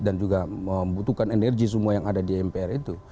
dan juga membutuhkan energi semua yang ada di mpr itu